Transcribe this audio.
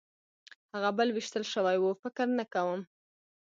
هغه بل وېشتل شوی و؟ فکر نه کوم.